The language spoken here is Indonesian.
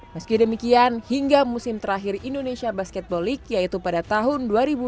meski demikian hingga musim terakhir indonesia basketball league yaitu pada tahun dua ribu dua puluh dua